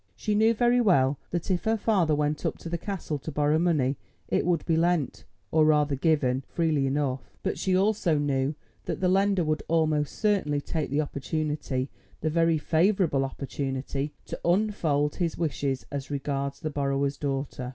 She knew very well that if her father went up to the Castle to borrow money it would be lent, or rather given, freely enough; but she also knew that the lender would almost certainly take the opportunity, the very favourable opportunity, to unfold his wishes as regards the borrower's daughter.